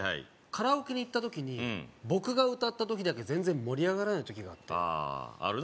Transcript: カラオケに行ったときに、僕が歌ったときだけ全然盛り上がらないことがある。